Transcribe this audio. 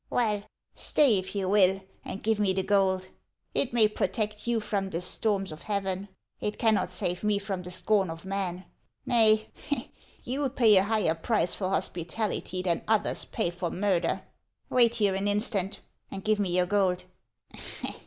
Well, stay if you will, and give me the gold. It may protect you from the storms of Heaven ; it cannot save me from the scorn of men. Nay ; you pay a higher price for hospitality than others pay for 138 HANS OF ICELAND murder. Wait here an instant, and give me your gold.